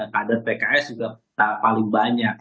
kader pks juga paling banyak